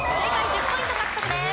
１０ポイント獲得です。